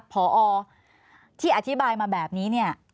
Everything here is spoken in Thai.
ผอที่อธิบายมาแบบนี้